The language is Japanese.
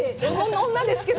女ですけど。